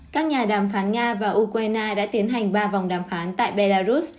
các nhà đàm phán nga và ukraine đã tiến hành ba vòng đàm phán tại belarus